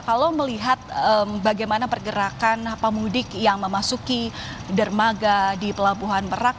kalau melihat bagaimana pergerakan pemudik yang memasuki dermaga di pelabuhan merak